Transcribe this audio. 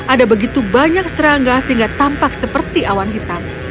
ada begitu banyak serangga sehingga tampak seperti awan hitam